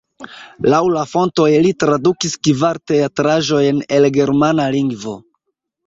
Laŭ la fontoj li tradukis kvar teatraĵojn el germana lingvo.